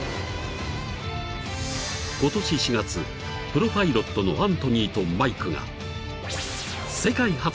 ［今年４月プロパイロットのアントニーとマイクが］